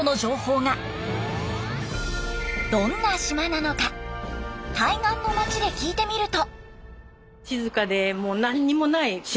どんな島なのか対岸の町で聞いてみると。